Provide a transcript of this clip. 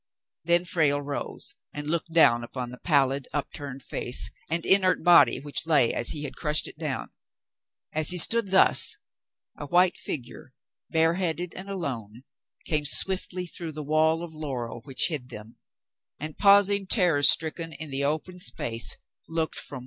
Then Frale rose and looked down upon the pallid, upturned face and inert body, which lay as he had crushed it down. As he stood thus, a white figure, bareheaded and alone, came swiftly through the wall of laurel which hid them and pausing terror stricken in the open space, looked from one to the other.